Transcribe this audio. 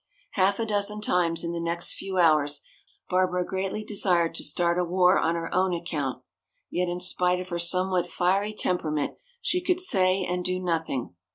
Half a dozen times in the next few hours Barbara greatly desired to start a war on her own account. Yet in spite of her somewhat fiery temperament she could say and do nothing.